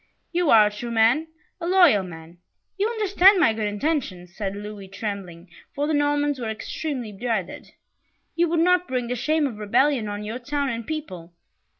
"You are a true man, a loyal man you understand my good intentions," said Louis, trembling, for the Normans were extremely dreaded. "You would not bring the shame of rebellion on your town and people.